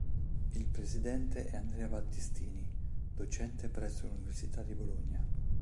Il presidente è Andrea Battistini, docente presso l'Università di Bologna.